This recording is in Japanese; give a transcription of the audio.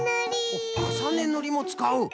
おっかさねぬりもつかう？